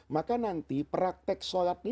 maka nanti praktek solat ini